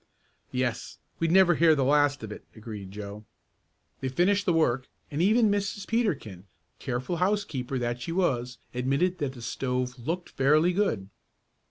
"Yes; we'd never hear the last of it," agreed Joe. They finished the work and even Mrs. Peterkin, careful housekeeper that she was, admitted that the stove "looked fairly good."